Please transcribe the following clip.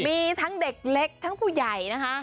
มีทั้งเด็กเล็กทั้งผู้ใหญ่นะคะ